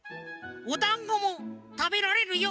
おだんごもたべられるよ。